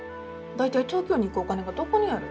大体東京に行くお金がどこにある？